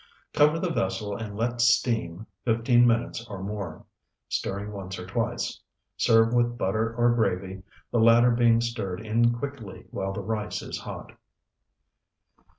Cover the vessel and let steam fifteen minutes or more, stirring once or twice. Serve with butter or gravy, the latter being stirred in quickly while the rice is hot.